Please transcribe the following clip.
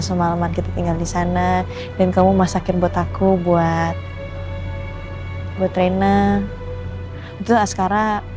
semalaman kita tinggal di sana dan kamu masakin buat aku buat buat rene betul askara